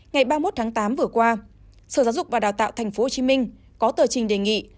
ngày ba mươi một tháng tám vừa qua sở giáo dục và đào tạo tp hcm có tờ trình đề nghị